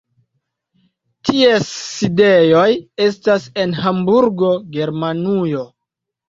Ties sidejoj estas en Hamburgo, Germanujo.